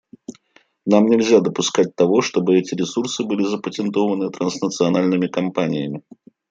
Нам нельзя допускать того, чтобы эти ресурсы были запатентованы транснациональными компаниями.